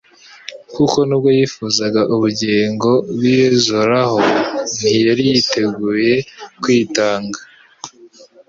kuko nubwo yifuzaga ubugingo buizoraho, ntiyari yiteguye kwitanga.